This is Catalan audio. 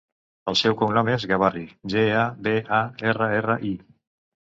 El seu cognom és Gabarri: ge, a, be, a, erra, erra, i.